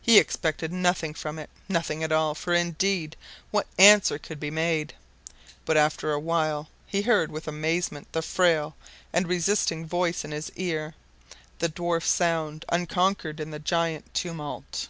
He expected nothing from it. Nothing at all. For indeed what answer could be made? But after a while he heard with amazement the frail and resisting voice in his ear, the dwarf sound, unconquered in the giant tumult.